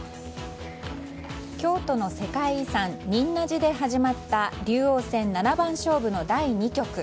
京都の世界遺産仁和寺で始まった竜王戦七番勝負の第２局。